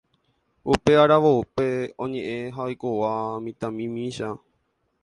upe aravópe oñe'ẽ ha oikóva mitãmimícha.